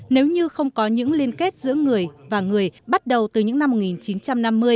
nếu như không có những liên kết giữa người và người bắt đầu từ những năm một nghìn chín trăm năm mươi